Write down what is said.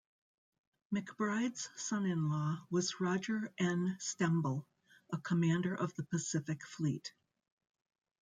McBride's son in law was Roger N. Stembel, a commander of the Pacific Fleet.